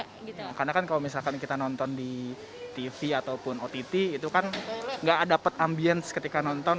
karena kan kalau misalkan kita nonton di tv ataupun ott itu kan nggak ada ambiens ketika nonton